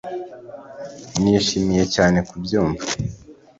Nishimiye cyane kubyumva